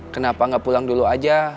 kenapa nggak pulang dulu aja